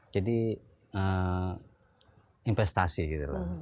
jadi investasi gitu